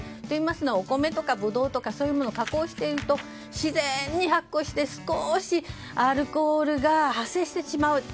といいますのはお米とかブドウとかを加工していると自然に発酵して少しアルコールが発生してしまう。